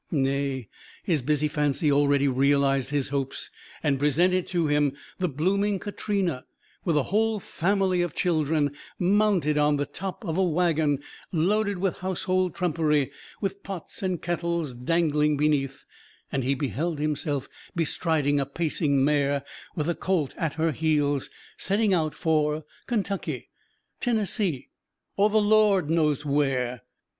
Nay, his busy fancy already realized his hopes, and presented to him the blooming Katrina, with a whole family of children, mounted on the top of a wagon loaded with household trumpery, with pots and kettles dangling beneath; and he beheld himself bestriding a pacing mare, with a colt at her heels, setting out for Kentucky, Tennessee or the Lord knows where!